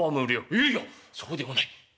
「いやいやそうではない。